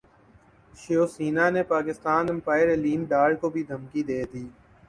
شیو سینا نے پاکستان امپائر علیم ڈار کو بھی دھمکی دے دی